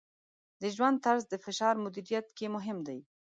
د ژوند طرز د فشار مدیریت کې مهم دی.